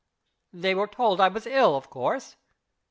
"They were told I was ill, of course?"